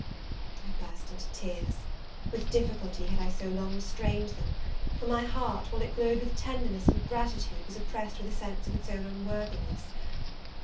I burst into tears: with difficulty had I so long restrained them; for my heart, while it glowed with tenderness and gratitude, was oppressed with a sense of its own unworthiness.